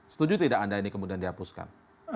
setuju tidak anda ini kemudian dihapuskan